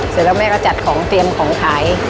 เสร็จแล้วแม่ก็จัดของเตรียมของขาย